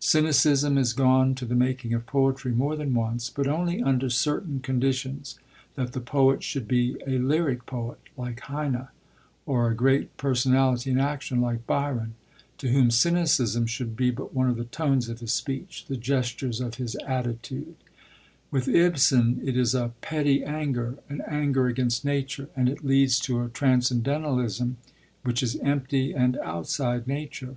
Cynicism has gone to the making of poetry more than once, but only under certain conditions: that the poet should be a lyric poet, like Heine, or a great personality in action, like Byron, to whom cynicism should be but one of the tones of his speech, the gestures of his attitude. With Ibsen it is a petty anger, an anger against nature, and it leads to a transcendentalism which is empty and outside nature.